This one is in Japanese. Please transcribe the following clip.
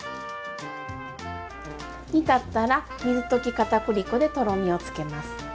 煮立ったら水溶き片栗粉でとろみをつけます。